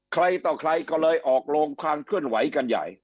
ใครต่อใครก็เลยออกโรงความเคลื่อนไหวกันใหญ่